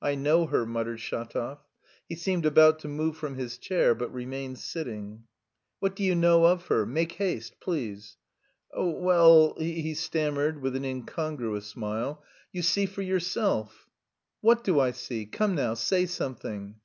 "I know her," muttered Shatov. He seemed about to move from his chair, but remained sitting. "What do you know of her? Make haste, please!" "Oh, well..." he stammered with an incongruous smile. "You see for yourself...." "What do I see? Come now, say something!"